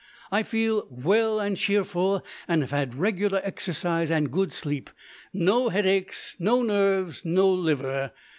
I feel well and cheerful, and have had regular exercise and good sleep; no headaches, no nerves, no liver!